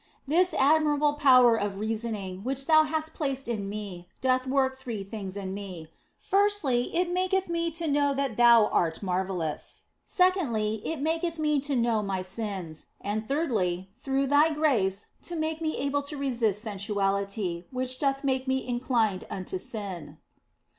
This admirable power of reasoning which Thou hast placed in me doth work three things in me ; firstly, it maketh me to know that Thou art marvellous ; secondly, it maketh me to know my sins ; and thirdly, through Thy grace it maketh me able to resist sensuality, which doth make me inclined unto sin.